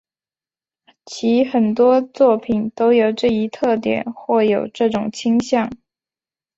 其很多作品都有这一特点或有这种倾向。